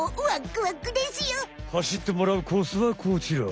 走ってもらうコースはこちら２０ｍ。